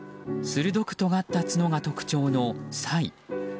鋭くとがった角が特徴のサイ。